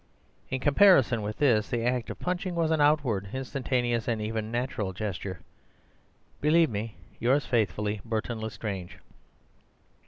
In comparison with this, the act of punching was an outward, instantaneous, and even natural gesture.— Believe me, yours faithfully, Burton Lestrange.